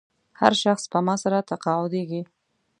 هر شخص سپما سره تقاعدېږي.